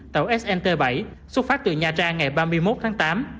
tàu snt bảy xuất phát từ nha trang ngày ba mươi một tháng tám